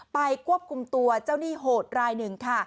ควบคุมตัวเจ้าหนี้โหดรายหนึ่งค่ะ